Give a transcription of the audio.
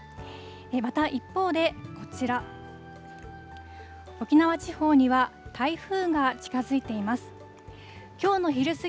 また、一方でこちら、沖縄地方には台風が近づいています。